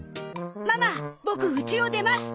ママボクうちを出ます。